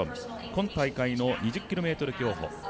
今大会の２０ｋｍ競歩。